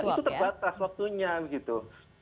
itu terbatas waktunya gitu